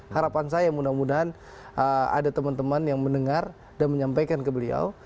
harapan saya mudah mudahan ada teman teman yang mendengar dan menyampaikan ke beliau